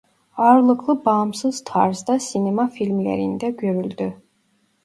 Ağırlıklı bağımsız tarzda sinema filmlerinde görüldü.